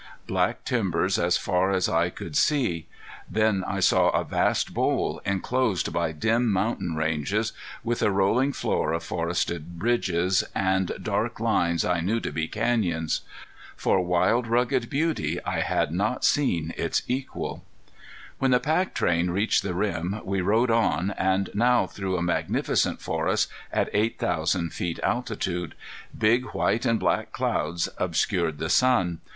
Black timber as far as eye could see! Then I saw a vast bowl inclosed by dim mountain ranges, with a rolling floor of forested ridges, and dark lines I knew to be canyons. For wild, rugged beauty I had not seen its equal. [Illustration: THE TONTO BASIN] When the pack train reached the rim we rode on, and now through a magnificent forest at eight thousand feet altitude. Big white and black clouds obscured the sun.